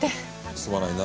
すまないな。